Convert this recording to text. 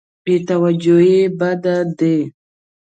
بې توجهي بد دی.